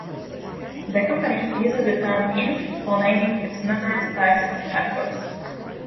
The company uses the term "inf" for naming its numerous types of chat bots.